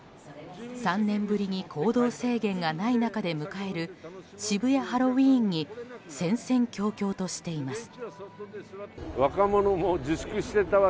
３年ぶりに行動制限がない中で迎える渋谷ハロウィーンに戦々恐々としています。